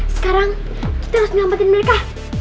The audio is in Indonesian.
sekarang kita harus nyampetin mereka